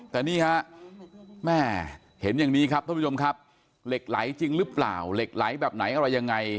แต่นี่ฮะแม่เห็นอย่างนี้ครับท่านผู้ชมครับเหล็กไหลจริงหรือเปล่าเหล็กไหลแบบไหนอะไรยังไง